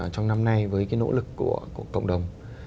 trong năm nay với cái nỗ lực của cộng đồng